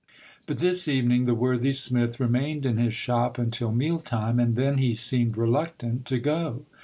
But this evening the worthy smith remained in his shop until meal time, and then he seemed reluctant to go.